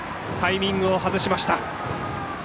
タイミングを外しました。